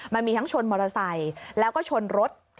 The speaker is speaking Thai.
มันมีทั้งชนมอเตอร์ไซค์แล้วก็ชนรถ